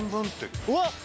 うわっ！